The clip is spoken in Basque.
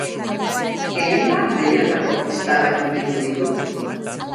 Gehienbat leihoetako kristalak birrindu ditu.